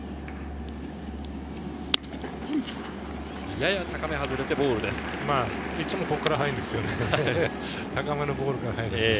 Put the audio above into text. やや高め外れてボールです。